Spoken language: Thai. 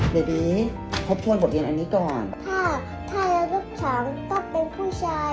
เบบี้พบทวนบทเรียนอันนี้ก่อนพ่อพ่อแล้วลูกสองก็เป็นผู้ชาย